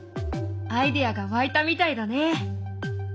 アイデアが湧いたみたいだね。